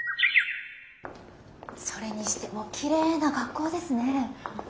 それにしてもきれいな学校ですね。